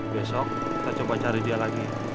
besok kita coba cari dia lagi